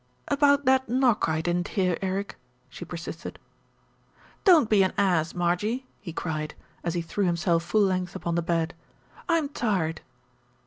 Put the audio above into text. "About that knock I didn't hear, Eric," she persisted. "Don't be an ass, Marjie," he cried, as he threw him self full length upon the bed. "I'm tired."